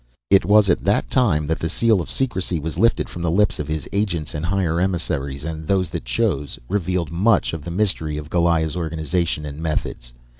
It was at that time that the seal of secrecy was lifted from the lips of his agents and higher emissaries, and those that chose revealed much of the mystery of Goliah's organization and methods.